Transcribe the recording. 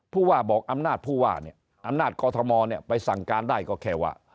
ผู้ว่าบอกอำนาจผู้ว่าเนี่ยอำนาจกอทมเนี่ยไปสั่งการได้ก็แค่ว่า